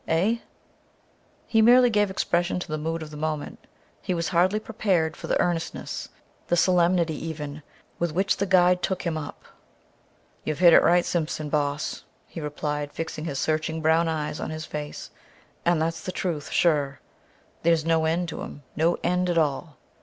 Eh?" He merely gave expression to the mood of the moment; he was hardly prepared for the earnestness, the solemnity even, with which the guide took him up. "You've hit it right, Simpson, boss," he replied, fixing his searching brown eyes on his face, "and that's the truth, sure. There's no end to 'em no end at all."